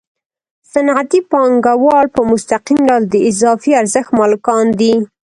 صنعتي پانګوال په مستقیم ډول د اضافي ارزښت مالکان دي